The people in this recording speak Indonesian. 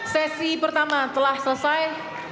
sesi pertama telah selesai